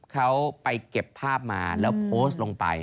เขาไปเก็บภาพมาแล้วโพสต์ลงไป